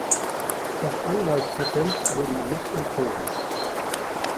Das Anwaltspatent wurde ihm nicht entzogen.